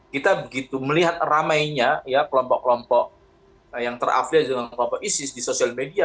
kita begitu melihat ramainya ya kelompok kelompok yang terafliasi dengan kelompok isis di sosial media